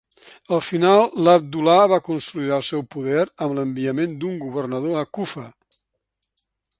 Al final, l'Abdullah va consolidar el seu poder amb l'enviament d'un governador a Kufa.